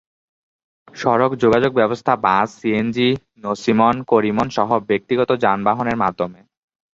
সড়ক যোগাযোগ ব্যবস্থা বাস, সিএনজি, নসিমন, করিমনসহ ব্যক্তিগত যানবাহনের মাধ্যমে।